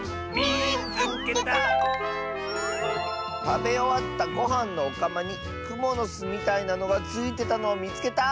「たべおわったごはんのおかまにくものすみたいなのがついてたのをみつけた！」。